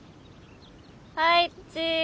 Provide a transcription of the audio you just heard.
はいチーズ！